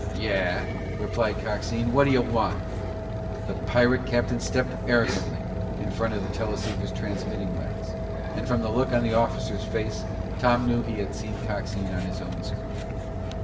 "Yeah " replied Coxine. "Whaddya want?" The pirate captain stepped arrogantly in front of the teleceiver's transmitting lens, and from the look on the officer's face, Tom knew he had seen Coxine on his own screen.